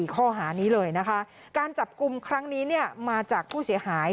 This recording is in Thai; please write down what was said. ข้อหานี้เลยนะคะการจับกลุ่มครั้งนี้มาจากผู้เสียหาย